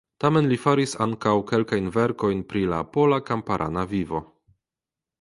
Tamen li faris ankaŭ kelkajn verkojn pri la pola kamparana vivo.